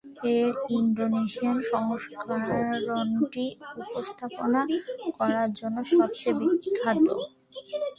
এর ইন্দোনেশিয়ান সংস্করণটি উপস্থাপনা করার জন্য সবচেয়ে বিখ্যাত।